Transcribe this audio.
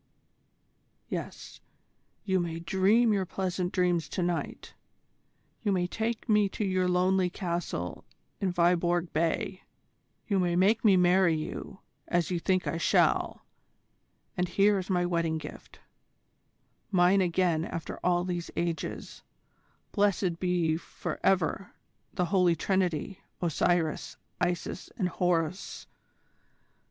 Yes, you may dream your pleasant dreams to night; you may take me to your lonely castle in Viborg Bay; you may make me marry you, as you think I shall and here is my wedding gift mine again after all these ages blessed be for ever the Holy Trinity, Osiris, Isis, and Horus.